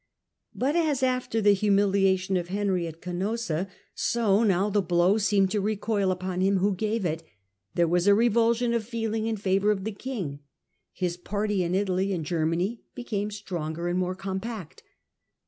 But, as after the humiliation of Henry at Canossa^ so Digitized by VjOOQIC 144 HlLDEBRANO now, the blow seemed to recoil upon him who gave it There was a revulsion of feeling in favour of the king. His party in Italy and Germany became stronger and more compact.